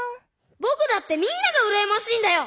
ぼくだってみんながうらやましいんだよ！